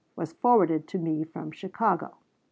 was forwarded to me from Chicago.